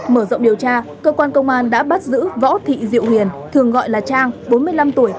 mở rộng điều tra cơ quan công an đã bắt giữ võ thị diệu huyền thường gọi là trang bốn mươi năm tuổi